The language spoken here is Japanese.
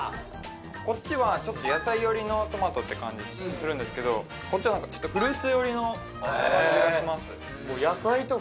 こっちはちょっと野菜寄りのトマトって感じするんですけどこっちは何かちょっとフルーツ寄りの感じがします